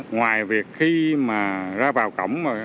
ngoài việc khi mà ra vào cổng